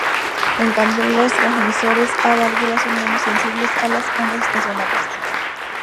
En cambio, los transmisores a válvulas son menos sensibles a las ondas estacionarias.